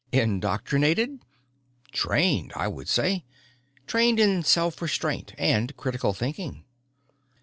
"Indoctrinated? Trained, I would say. Trained in self restraint and critical thinking."